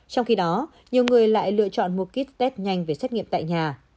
trong khi đó nhiều người lại lựa chọn mua kit test nhanh về xét nghiệm tại nhà